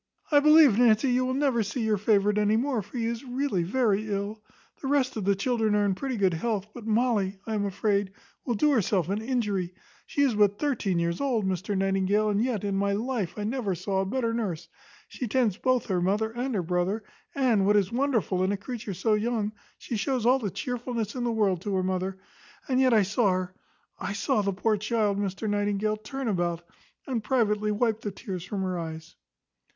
I believe, Nancy, you will never see your favourite any more; for he is really very ill. The rest of the children are in pretty good health: but Molly, I am afraid, will do herself an injury: she is but thirteen years old, Mr Nightingale, and yet, in my life, I never saw a better nurse: she tends both her mother and her brother; and, what is wonderful in a creature so young, she shows all the chearfulness in the world to her mother; and yet I saw her I saw the poor child, Mr Nightingale, turn about, and privately wipe the tears from her eyes."